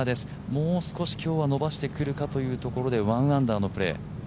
もう少し今日は伸ばしてくるかというところで１アンダーのプレー。